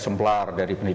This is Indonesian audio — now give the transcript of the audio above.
jangan kasih podisi